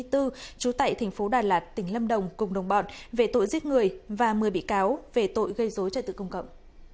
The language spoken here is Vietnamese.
trú tại thành phố đà lạt tỉnh lâm đồng cùng đồng bọn về tội giết người và một mươi bị cáo về tội gây dối trật tự công cộng